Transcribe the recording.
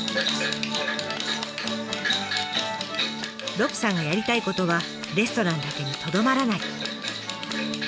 鹿さんがやりたいことはレストランだけにとどまらない。